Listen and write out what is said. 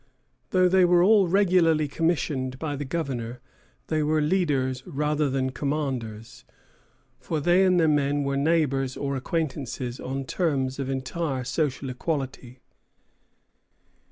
Though they were all regularly commissioned by the governor, they were leaders rather than commanders, for they and their men were neighbors or acquaintances on terms of entire social equality.